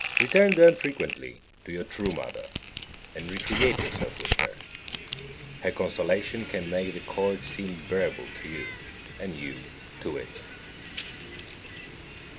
Return then frequently to your true mother, and recreate yourself with her. Her consolation can make the court seem bearable to you, and you to it.